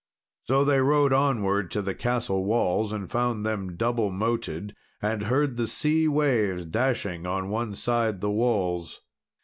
So they rode onward to the castle walls, and found them double moated, and heard the sea waves dashing on one side the walls.